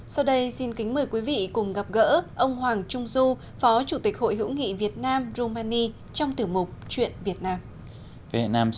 sau đây xin kính mời quý vị cùng gặp gỡ ông hoàng trung du phó chủ tịch hội hữu nghị việt nam romani trong tiểu mục chuyện việt nam